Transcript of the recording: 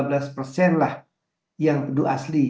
hanya lima belas lah yang penduduk asli